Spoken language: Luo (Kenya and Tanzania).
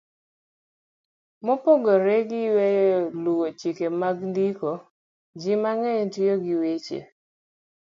Mopogore gi weyo luwo chike mag ndiko, ji mang'eny tiyo gi weche